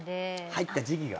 入った時期が？